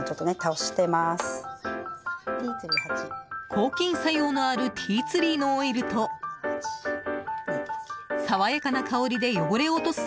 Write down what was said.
抗菌作用のあるティーツリーのオイルと爽やかな香りで汚れを落とす